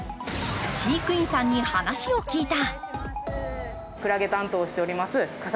飼育員さんに話を聞いた。